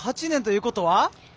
９８年ということは。